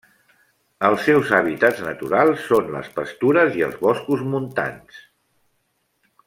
Els seus hàbitats naturals són les pastures i els boscos montans.